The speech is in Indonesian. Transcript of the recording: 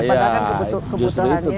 padahal kan kebutuhannya justru untuk domestik